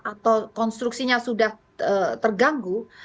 atau konstruksinya sudah terganggu